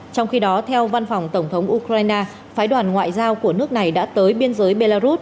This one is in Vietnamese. trong khi đó theo văn phòng tổng thống ukraine phái đoàn ngoại giao của nước này đã tới biên giới belarus